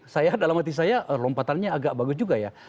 saya dalam hati saya lompatannya agak bagus juga ya